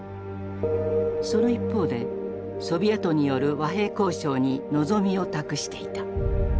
その一方でソビエトによる和平交渉に望みを託していた。